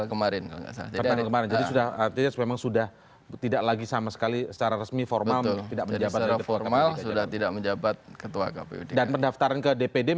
kemudian siap siap kemarin